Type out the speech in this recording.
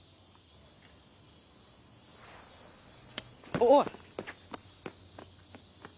おい！